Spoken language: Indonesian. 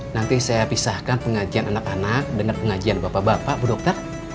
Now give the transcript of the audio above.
nanti saya pisahkan pengajian anak anak dengan pengajian bapak bapak ibu dokter